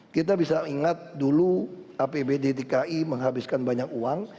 kita bisa ingat dulu apbd dki menghabiskan banyak uang